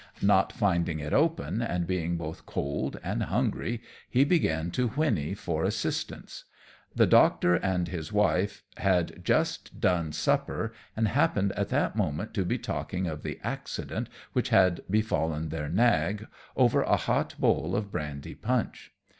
Not finding it open, and being both cold and hungry, he began to whinny for assistance. The Doctor and his wife had just done supper, and happened at that moment to be talking of the accident which had befallen their nag, over a hot bowl of brandy punch.